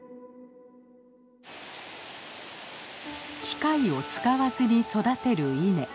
機械を使わずに育てる稲。